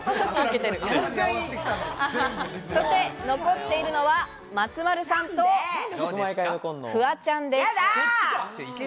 そして残っているのは、松丸さんとフワちゃんです。